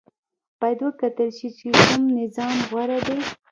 باید وکتل شي چې کوم نظام غوره دی.